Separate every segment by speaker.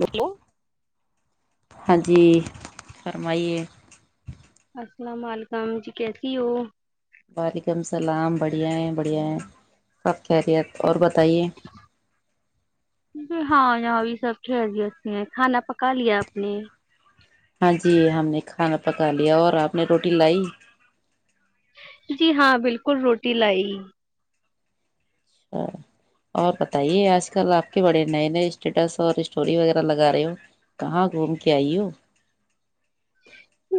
Speaker 1: hello [unintelligible]
Speaker 2: ہاں جی فرمائیے
Speaker 1: السلام علیکم جی کیسی ہو
Speaker 2: وعلیکم اللام بڑھیا ہے بڑھیا ہے سب خیریت اور بتائیے
Speaker 1: جی
Speaker 2: [unintelligible]
Speaker 1: ہاں جاں بھی سب کھیلیتی ہیں کانا [unintelligible] پکا لیا آپ نے
Speaker 2: ہاں جی ہم نے کھانا پکا لیا اور آپ نے روٹی لائی [unintelligible]
Speaker 1: جی ہاں بالکل روٹی لائی
Speaker 2: اچھا اور بتائیے آج کل آپ کے بڑے نئے نئے اسٹیٹس اور اسٹوری وغیرہ لگا رہے ہو کہاں گھوم کے آئی ہو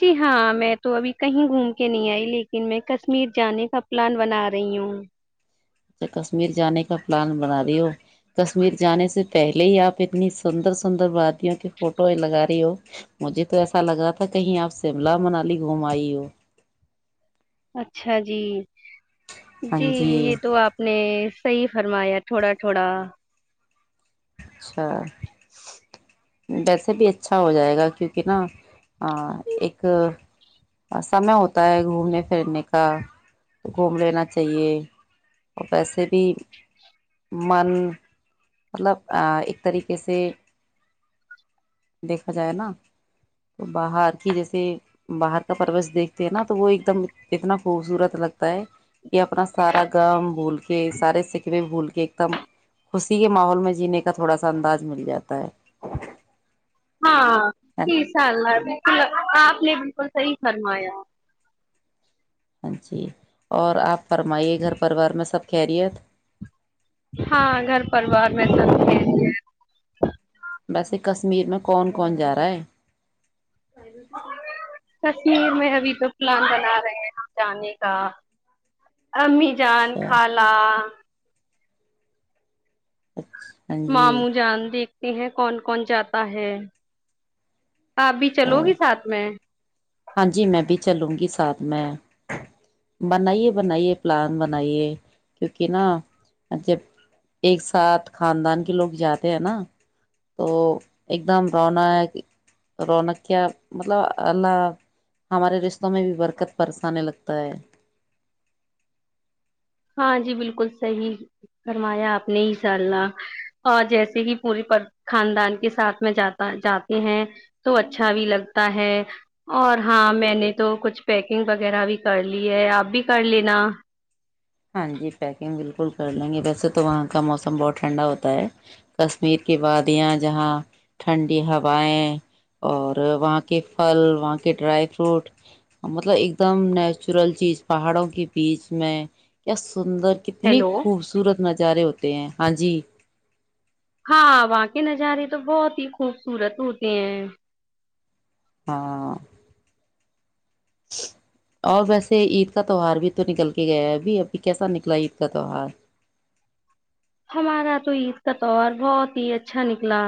Speaker 1: جی ہاں میں تو ابھی کہیں گھوم کے نہیں آئی لیکن میں کشمیر جانے کا پلان بنا رہی ہوں
Speaker 2: اچھا کشمیر جانے کا پلان بنا رہی ہو کشمیر جانے سے پہلے ہی آپ اتنی سندر سندر بادیوں کی فوٹو لگا رہی ہو مجھے تو ایسا لگ رہا تھا کہیں آپ شملہ منالی گھوم آئی ہو
Speaker 1: اچھا جی جی یہ تو آپ نے صحیح فرمایا تھوڑا تھوڑا
Speaker 2: اچھا ویسے بھی اچھا ہو جائے گا کیونکہ نا ہ ایک سمے ہوتا ہے گھومنے پھرنے کا گھوم لینا چاہیے اور ویسے بھی من مطلب ایک طریقے سے دیکھا جائے نا تو باہر کی جیسے باہر کا پرورش دیکھتے ہیں نا تو وہ ایک دم اتنا خوبصورت اچھا لگتا ہے یہ اپنا سارا گم بھول کے سارے سکھ میں بول کہ ایک دم خوشی کے ماحول میں جنیں اس کا تھوڑا سا انداز مل جاتا ہے
Speaker 1: ہاں ت
Speaker 2: ہاں
Speaker 1: سال آب آپ نے بالکل صحیح فرمایا
Speaker 2: ہاں جی اور آپ فرمائیے گھر پرریوار میں سب خیریت
Speaker 1: ہاں گھر پرریوار میں سب کے لیے
Speaker 2: ویسے کشمیر میں کون کون جا رہا ہے
Speaker 1: کشمیر میں ابھی تو پلان بنا رہے ہیں جانے کا امی جان
Speaker 2: اچھا
Speaker 1: خالا
Speaker 2: اچھا ہاں جی
Speaker 1: ماموں جان د ایک یہہ کون کون جاتا ہے آپ بھی
Speaker 2: اچھا
Speaker 1: چلو گی ساتھ میں
Speaker 2: ہاں جی میں بھی چلوں گی ساتھ میں بنائیے بنائیے پلان بنائیے کیونکہ نا جب ایک ساتھ خاندان کے لوگ جاتے ہیں نا تو ایک دم رونق رونق کیا مطلب اللہ ہمارے رشتوں میں بھی برکت پرسانے لگتا ہے
Speaker 1: ہاں جی بالکل صحیح کروایا آپ نے ہی سالنا اور جیسے ہی پورے پر خاندان کے ساتھ میں جاتا جاتے ہیں تو اچھا بھی لگتا ہے اور ہاں میں نے تو کچھ پیکنگ وغیرہ بھی کر لی ہے آپ بھی کر لینا
Speaker 2: ہاں جی پیکنگ بالکل پل کر لیں گے ویسے تو وہاں کا موسم بہت ٹھنڈا ہوتا ہے کشمیر کے وادیاں جہاں ٹھنڈی ہوائیں اور وہاں کے پھل وہاں کے ڈرائی فروٹ مطلب ایک دم نیچورل چیز پہاڑوں کے بیچ میں [inaudible] سندر کتنی
Speaker 1: ہیلو
Speaker 2: خوبصورت نظارے ہوتے ہیں ہاں جی
Speaker 1: ہاں وہاں کے نظارے تو بہت ہی خوبصورت ہوتے ہیں
Speaker 2: ہاں اور ویسے عید کا تہوار بھی تو نکل کے گیا ابھی ابھی کیسا نکلا عید کا تہوار
Speaker 1: ہمارا تو عید کا تہار بہت ہی اچھا نکلا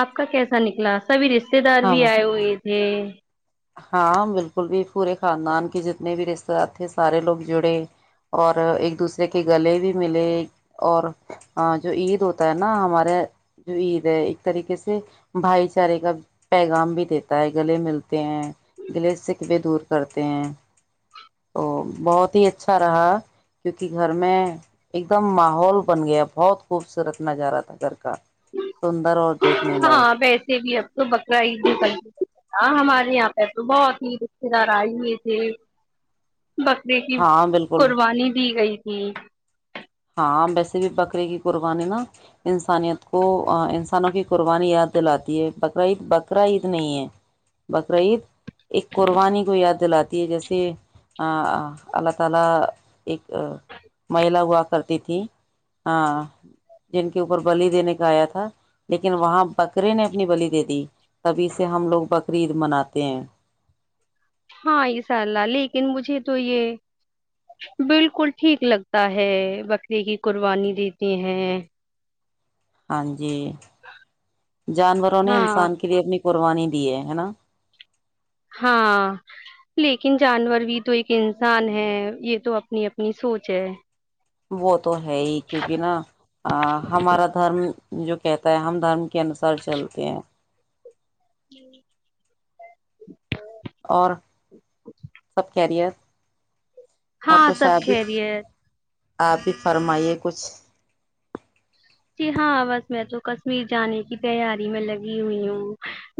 Speaker 1: آپ کا کیسا نکلا سبھی رشتے دار بھی
Speaker 2: ہاں
Speaker 1: آئے ہوئے تھے
Speaker 2: ہاں بالکل بھی پورے خاندان کے جتنے بھی رشتے دار تھے سارے لوگ جڑے اور ایک دوسرے کے گلے بھی ملے اور جو عید ہوتا ہے نا ہمارے جو عید ہے ایک طریقے سے بھائی چارے کا پیغام بھی دیتا ہے گلے ملتا گلش سے کب دور کرتے ہیں تو بہت ہی اچھا رہا کیونکہ گھر میں ایک دم ماحول بن گیا بہت خوبصورت نظارہ تھا گھر کا سندر اور دیکھنے
Speaker 1: ہاں
Speaker 2: لائق
Speaker 1: ویسے بھی اب تو بکرا عیدیں ہاں ہمارے یہاں پہ تو بہت ہی رشتے دار آئے ہوئے تھے بکرے کی
Speaker 2: ہاں بالکل
Speaker 1: قربانی دی گئی تھی [unintelligible]
Speaker 2: [unintelligible] کرتی تھیں [unintelligible] ہاں جن کے اوپر بلی دینے کا آیا تھا لیکن وہاں بکرے نے اپنی بلی دے دی تبھی سے ہم لوگ بکری عید مناتے ہیں [unintelligible]
Speaker 1: ہاں اسشاء اللہ لیکن مجھے تو یہ بالکل ٹھیک لگتا ہے بکرے کی قربانی دیتے ہیں [unintelligible]
Speaker 2: ہاں جی [inaudible] جی جانوروں نے
Speaker 1: ہاں
Speaker 2: انسان کے لیے اپنی [unintelligible] قربانی دیے ہے نا [unintelligible]
Speaker 1: ہاں لیکن جانور بھی تو ایک انسان ہے یہ تو اپنی اپنی سوچ ہے [unintelligible]
Speaker 2: بت [inaudible] تو ہے ہی کیونکہ نا ہمارا دھرم [unintelligible] جو کہتا ہے ہم دھرم [unintelligible] کے انسار چلتے ہیں [unintelligible]
Speaker 1: ہی [inaudible]
Speaker 2: اور سب کیریئر [unintelligible]
Speaker 1: ہاں سب کہہری ہے
Speaker 2: آپ بھی فرمائیے کچھ
Speaker 1: جی ہاں بس میں تو کشمیر جانے کی تیاری میں لگی ہوئی ہوں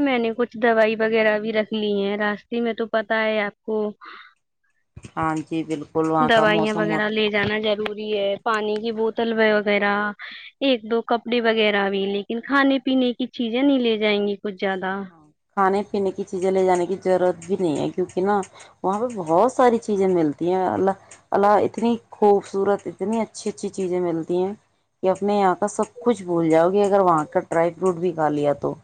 Speaker 1: میں نے کچھ دوائی وغیرہ بھی رکھ لی ہے راستے میں تو پتا ہے آپ کو
Speaker 2: ہاں جی بالکل وہاں کا
Speaker 1: دوائیاں
Speaker 2: موسم اور
Speaker 1: وغیرہ لے جانا ضروری ہے پانی کی بوتل وغیرہ ایک دو کپڑے وغیرہ بھی لیکن کھانے پینے کی چیزیں نہیں لے جائیں گی ک زیادہ
Speaker 2: کھانے پینے کی چیزیں لے جانے کی ضرورت بھی نہیں ہے کیوںکہ نا وہاں پہ بہت ساری چیزیں ملتی ہیں اللہ اللہ اتنی خوبصورت اتنی اچھی اچھی چیزیں ملتی ہیں کہ اپنے یہاں کا سب کچھ بھول جاؤ گ اگر وہاں کا ڈرائی فروٹ بھی کھا لیا تو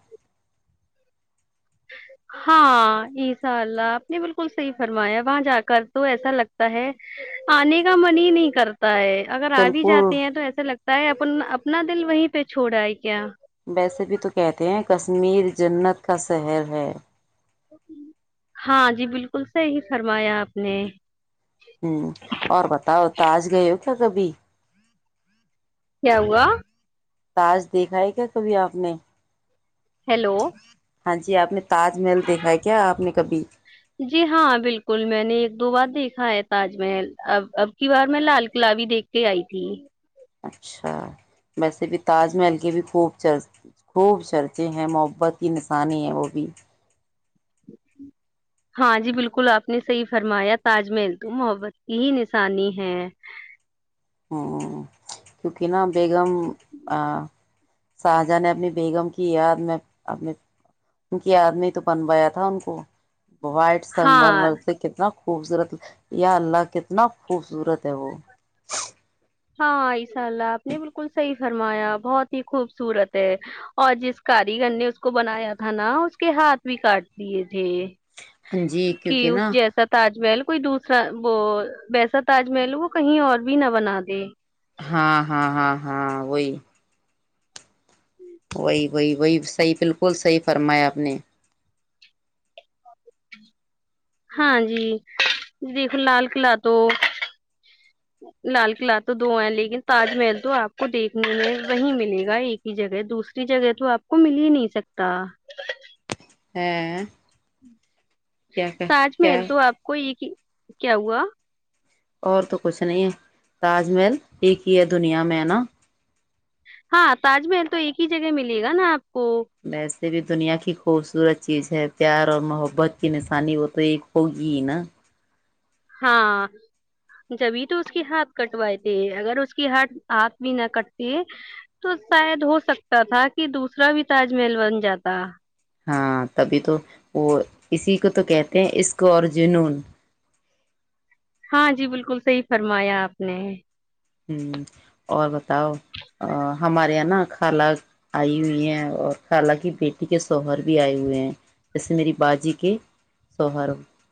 Speaker 1: ہاں ایشاء اللہ آپ نے بالکل صحیح فرمایا وہاں جا کر تو ایسا لگتا ہے آنے کا من ہی نہیں کرتا تا ہے اگر آ بھی
Speaker 2: بالکل
Speaker 1: جاتے ہیں تو ایسا لگتا ہے اب اپ اپنا دل وہیں پہ چھوڑا ہے کیا
Speaker 2: ویسے بھی تو کہتے ہیں کشمیر جنت کا شہر ہے
Speaker 1: ہاں جی بالکل صحیح فرمایا آپ نے
Speaker 2: ہوں اور بتاؤ تاج گئے ہو اھ کبھی
Speaker 1: کیا ہوا
Speaker 2: تاش دیکھا ہے کیا کبھی آپ نے
Speaker 1: ہیلو
Speaker 2: ہاں جی آپ نے تاج محل دیکھا ہے کیا آپ نے کبھی
Speaker 1: جی ہاں بالکل میں نے ایک دو بار دیکھا ہے تاج محل اب اب کی بار میں لال قلع بھیی دیکھ کے آئی تھی
Speaker 2: اچھا ویسے بھی تاج محل کے بھی خوب چر خوب چرچے ہیں محبت کی نشانی ہیں وہ بھی
Speaker 1: ہاں جی بالکل آپ نے صحیح فرمایا تاج محل تو محبت کی ہی نشانی ہے
Speaker 2: ہوں کیونکہ نہا بیگم شاہجہاں نے اپنی بیگم کی یاد میں اپنے ان کی یاد میں تو بنوایا تھا ان کو وائٹ
Speaker 1: ہاں
Speaker 2: سگرر سے کتنا خوبصورت یا اللہ کتنا خوبصورت ہے وہ
Speaker 1: ہاں عشاء اللہ آپ نے بالکل صحیح فرمایا بہت ہی خوبصورت ہے اور جس کاریگر نے اس کو بنایا تھا نا اس کے ہاتھ بھی کاٹ دیے تھے
Speaker 2: ہاں جی
Speaker 1: کہ
Speaker 2: کیونکہ
Speaker 1: اس
Speaker 2: نا
Speaker 1: جیسا تاج محل کوئی دوسرا وہ ویسا تاج محل وہ کہیں اور بھی نہ بناا جی
Speaker 2: ہاں ہاں ہاں ہاں وہی وہی وہی وہی صحی بالکل صحیح فرمایا آپ نے
Speaker 1: ہاں جی دیکھو لال قلعہ تو لال قلعہ تو دو ہیں لیکن تاج محل تو آپ کو دیکھنے میں وہی ملے گا ایک ہی جگہ دوسری جگہ تو آپ کو مل ہی نہیں سکتا
Speaker 2: ہاں
Speaker 1: تاج
Speaker 2: کیا
Speaker 1: محل تو آپ کو یہ کہ کیا ہوا
Speaker 2: اور تو کچھ نہیں ہے تاج محل ایک ہی ہے دنیا میں ہے نا [unintelligible]
Speaker 1: ہاں تاج محل تو ایک ہی جگہ ملیے گا نا آپ [unintelligible] ہو [inaudible]
Speaker 2: جے بھی دنیا کی خوبصورت چیز ہے پیار اور محبت کی نشانی وہ تو ایک ہوگی نا [unintelligible]
Speaker 1: ہاں جبھی تو اس کی ہاتھ کٹوائے تھ اگر اس کی ہ ہاتھ بھی نہ کٹتے تو شاید ہو سکتا تھا کہ دوسرا بھی تاج محل بن جاتا [unintelligible]
Speaker 2: ہاں تبھی تو وہ اسی کو تو کہتے ہیں عشق اور جنون
Speaker 1: ہاں جی بالکل صحیح فرمایا آپ نے [unintelligible]
Speaker 2: ہ اور بتاؤ ہمارے یہاں نا خالہ آئی ہوئی ہیں اور خالہ کی بیٹی کے شوہر بھی آئے ہوئے ہیں جیسے میری باجی کے شوہر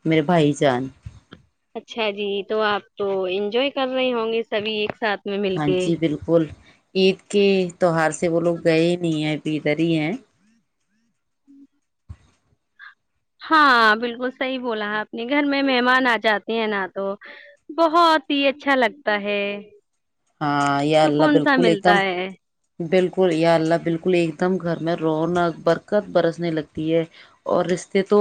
Speaker 2: میرے بھائی جان [unintelligible]
Speaker 1: اچھا جی تو آپ تو انجوائے کر رہے ہوں گے سبھی ایک [unintelligible] کے
Speaker 2: منچی بالکل [unintelligible] عید کے [unintelligible] تووہار سے وہ لوگ گئے ہی نہیں ہے [unintelligible] بدر ہی ہے [unintelligible]
Speaker 1: ہوں [inaudible] ہاں بالکل صحیح بولا اپپ نے گھر میں مہمان آ جاتے ہیں نہ تو بہت ہی اچھا لگتا ہے [unintelligible]
Speaker 2: ہاں یہ اللہ
Speaker 1: سکون سا
Speaker 2: بالکل ایک دم
Speaker 1: ملتا ہے
Speaker 2: بالکل [unintelligible] الک یا اللہ بالکل ایک دم گھر میں رونق برکت برسنے لگتی ہے اور رشتے تو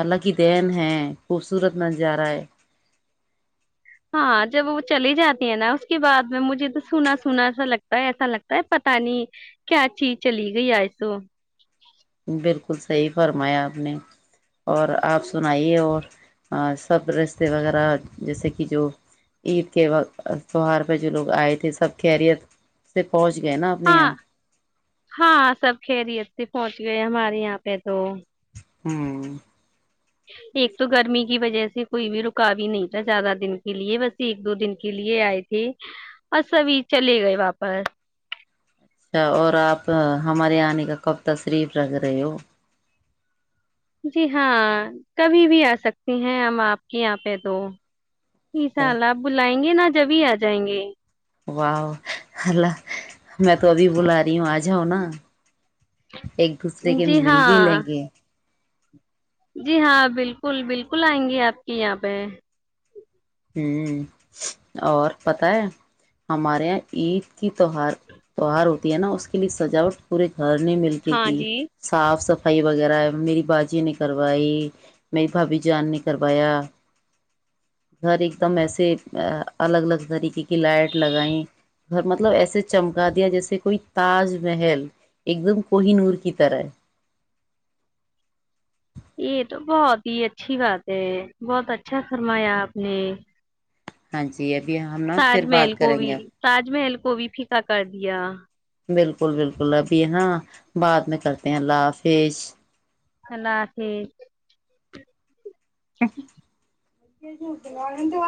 Speaker 2: حلہ کی دن ہے خوبصورت نظارہ ہے [unintelligible]
Speaker 1: ہاں جب وہ چلی جاتی ہے نا اس کے بعد میں مجھے تو سنا سناسا لگتا ہے ایسا لگتا ہے پتا نہیں کیا چیز چلی گئی ہے ایسو [unintelligible]
Speaker 2: بالکل [unintelligible] بکل صحی فرمایا آپ نے [unintelligible] اور آپ سنائیے اور [unintelligible] اور سب رستے وغیرہ جیسے کہ جو عید کے تہوار پہ جو لوگ آئے تھے سب خیریت سے [unintelligible] نا اپنے
Speaker 1: ہاں
Speaker 2: یہاں
Speaker 1: ہاں سب کھیریی ا تھی پہنچ [unintelligible] گئے ہمارے یہاں پہ تو
Speaker 2: ہوں [inaudible]
Speaker 1: ایک تو گرمی کی وجہ سے کوئی بھی رکاوی نہیں تھا زیادہ دن کے لیے بس ایک دو دن کے لیے آئے تھے اورس ابھی چلے گئے واپس
Speaker 2: اچھا اور آپ ہمارے آنے کا کب تشریف رکھ رہے ہو
Speaker 1: جی ہاں کبھی بھی آ سکتی ہیں ہم آپ کے یہاں پہ دو شاء
Speaker 2: اچھا
Speaker 1: اللہ آپ بلائیں گے نا [unintelligible] جبھی آ جائیں گے [unintelligible]
Speaker 2: واہ اللہ میں تو ابھی بلا رہی ہوں آ جاؤ نا [unintelligible] ایک دوسرے کے
Speaker 1: جی
Speaker 2: مل بھی
Speaker 1: ہاں
Speaker 2: لیں گے [unintelligible]
Speaker 1: جی ہاں بالکل بالکل آئیں گی آپ کی یہاں پہ [unintelligible]
Speaker 2: ہ اور پت ہے ہمارے یہاں عید کی توار تہوار ہوتی ہے نا اس کے لیے سجاوٹ پورے [unintelligible] گھر نے مل کے
Speaker 1: ہاں
Speaker 2: کی
Speaker 1: جی
Speaker 2: صاف صف [unintelligible] بھائی وغیرہ میری باجی نے کروائی میری بھبھی [unintelligible] جان نے کروایا گھر ایک دم ایسے الگ الگ طریقے کی لائٹ لگائ گھر مطلب ایسے چمکا دیا جیسے کوئی تاج محل ایک دم کوہی نور کی طرح [unintelligible]
Speaker 1: یہ تو بہت ہی اچھی بات ہے بہت اچھا فرمایا آپ نے [unintelligible]
Speaker 2: ہاں جی ایچ [unintelligible]
Speaker 1: تاج محل کو بھی تاج محل کو کو بھی پیکا کر دیا
Speaker 2: بالکل بالکل اب یہ نا بعد میں کرتے ہیں اللہ حافظ
Speaker 1: اللہ حافظ
Speaker 2: ا جھوٹنا و